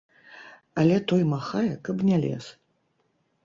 Але той махае, каб не лез.